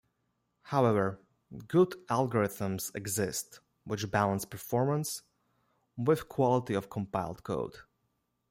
However, good algorithms exist which balance performance with quality of compiled code.